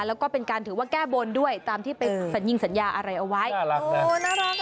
แล้วก็เป็นการถือว่าแก้บนด้วยตามที่ไปสัญญิงสัญญาอะไรเอาไว้น่ารัก